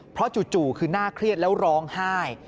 เพราะจู่คือน่าเครียดแล้วร้องไห้